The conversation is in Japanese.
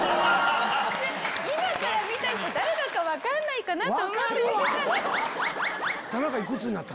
今から見た人誰だか分かんないかなと思って。